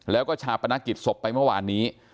แล้วก็ชาปนกิจศพไปเมื่อวานนี้